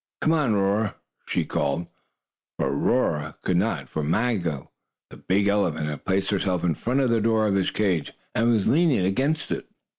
"Come on, Roarer!" she called. But Roarer could not, for Maggo, the big elephant, had placed herself in front of the door of his cage, and was leaning against it.